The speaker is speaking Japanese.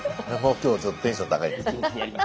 今日ちょっとテンション高いんです。